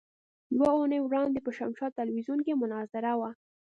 يوه اونۍ وړاندې په شمشاد ټلوېزيون کې مناظره وه.